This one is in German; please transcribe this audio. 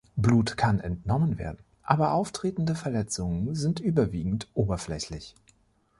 Blut kann entnommen werden, aber auftretende Verletzungen sind überwiegend oberflächlich.